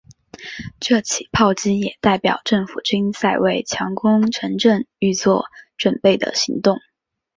这起炮击也代表政府军在为强攻城镇预作准备的行动。